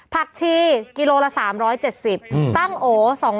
ผักชีกิโลละ๓๗๐ตั้งโอ๒๐๐